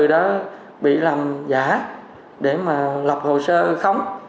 sẽ bị làm giả để mà lọc hồ sơ không